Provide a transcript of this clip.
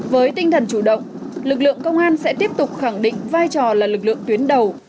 với tinh thần chủ động lực lượng công an sẽ tiếp tục khẳng định vai trò là lực lượng tuyến đầu